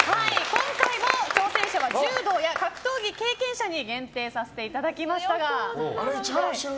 今回も挑戦者は柔道や格闘技経験者に限定させていただきました。